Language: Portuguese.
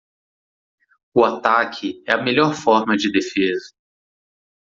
O ataque é a melhor forma de defesa.